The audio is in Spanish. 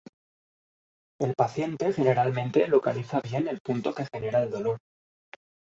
El paciente generalmente localiza bien el punto que genera el dolor.